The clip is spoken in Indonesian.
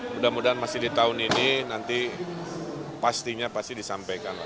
mudah mudahan masih di tahun ini nanti pastinya pasti disampaikan lah